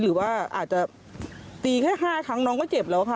หรือว่าอาจจะตีแค่๕ครั้งน้องก็เจ็บแล้วค่ะ